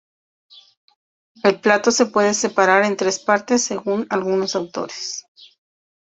El plato se puede separar en tres partes según algunos autores.